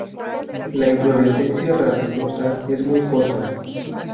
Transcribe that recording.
La inflorescencia racemosa es muy corta.